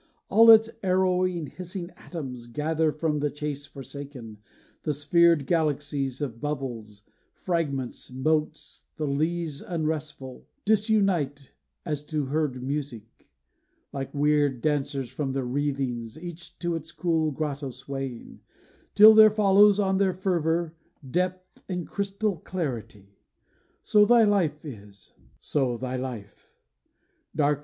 All its arrowy hissing atoms Gather from the chase forsaken; The sphered galaxy of bubbles, Fragments, motes, the lees unrestful, Disunite, as to heard music, Like weird dancers, from their wreathings Each to its cool grotto swaying; Till there follows, on their fervor, Depth, and crystal clarity. So thy life is, so thy life!